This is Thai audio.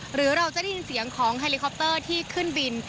หรือเราจะได้ยินเสียงของเฮลิคอปเตอร์ที่ขึ้นบิน